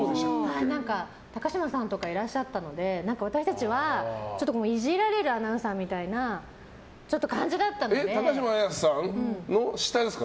高島さんとかいらっしゃったので私たちはイジられるアナウンサーみたいな高島彩さんの下ですか？